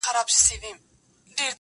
غونډۍ لوړي دي.